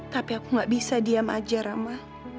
tapi aku gak bisa diam aja rama